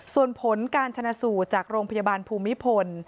ส่วนผลการชนะสูตรจากโรงพยาบาลภูมิพล